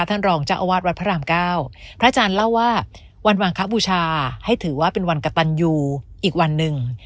ท่านรองเจ้าอาวาสวัดพระรามเก้าพระอาจารย์เล่าว่าวันวางคบูชาให้ถือว่าเป็นวันกระตันยูอีกวันหนึ่ง